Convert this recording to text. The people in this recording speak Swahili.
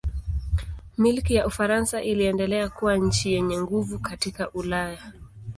Milki ya Ufaransa iliendelea kuwa nchi yenye nguvu katika Ulaya.